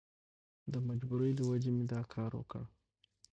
د مجبورۍ له وجهې مې دا کار وکړ.